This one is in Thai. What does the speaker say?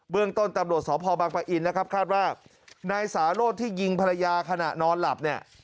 เบื้องต้นจับโหลดสพประอินทร์นะครับคาดว่านายสาโลศที่ยิงภรรยาขนาดนอนหลับเนี่ย